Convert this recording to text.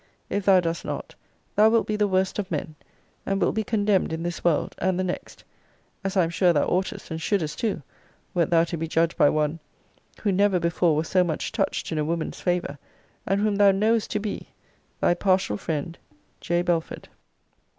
If thou dost not, thou wilt be the worst of men; and wilt be condemned in this world and the next: as I am sure thou oughtest, and shouldest too, wert thou to be judged by one, who never before was so much touched in a woman's favour; and whom thou knowest to be Thy partial friend, J. BELFORD.